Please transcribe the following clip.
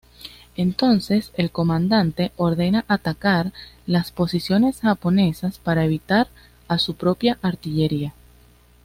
Entonces, el comandante ordena atacar las posiciones japonesas para evitar a su propia artillería.